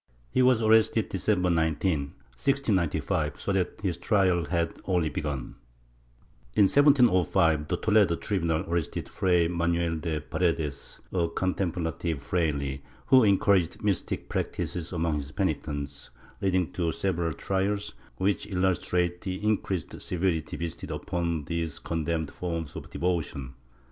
He was arrested December 19, 1695, so that his trial had only begun/ In 1708 the Toledo tribunal arrested Fray Manuel de Paredes, a contemplative fraile, who encouraged mystic practices among his penitents, leading to several trials, which illustrate the increased severity visited upon these condemned forms of devotion.